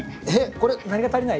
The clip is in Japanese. これ何が足りない？